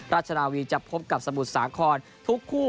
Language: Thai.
ราชนาวีจะพบกับสมุทรสาครทุกคู่